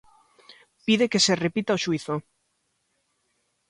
Pide que se repita o xuízo.